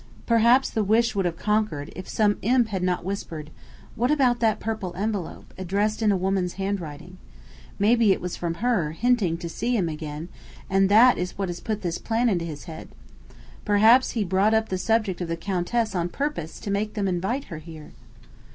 Perhaps the wish would have conquered if some imp had not whispered, "What about that purple envelope, addressed in a woman's handwriting? Maybe it was from her, hinting to see him again, and that is what has put this plan into his head. Perhaps he brought up the subject of the Countess on purpose to make them invite her here!"